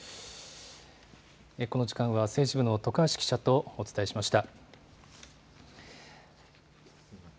この時間は、政治部の徳橋記者とお伝えしました。